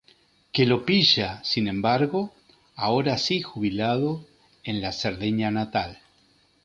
Que lo pilla, sin embargo, ahora sí jubilado, en la Cerdeña natal.